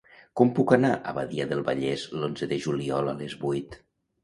Com puc anar a Badia del Vallès l'onze de juliol a les vuit?